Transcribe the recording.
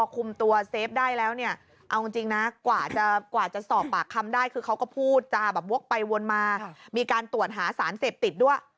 กว่าจะกว่าจะสอบปากคำได้คือเขาก็พูดจาแบบวกไปวนมามีการตรวจหาสารเสพติดด้วย